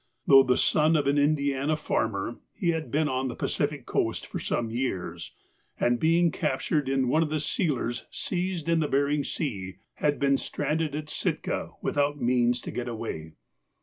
Though the son of an Indiana farmer, he had been on the Pacific coast for some years, and, being captured in one of the sealers seized in the Behring's Sea, had been stranded at Sitka without means to get away.